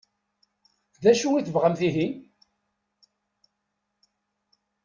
D acu i tebɣamt ihi?